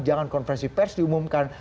jangan konfesi pers diumumkan